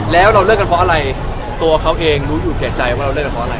แล้วเราเลิกกันเพราะอะไรตัวเขาเองรู้อยู่แก่ใจว่าเราเลิกกันเพราะอะไร